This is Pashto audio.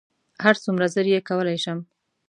هرڅومره ژر چې کولی شم.